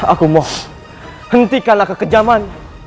aku mohon hentikanlah kekejaman